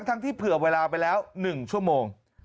ทั้งที่เผื่อเวลาไปแล้ว๑ชั่วโมง